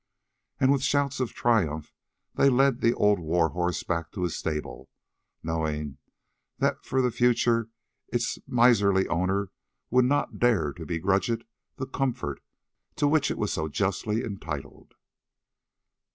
And with shouts of triumph they led the old war horse back to his stable, knowing that for the future its miserly owner would not dare to begrudge it the comfort to which it was so justly entitled.